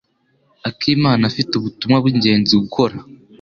Akimana afite ubutumwa bw'ingenzi gukora.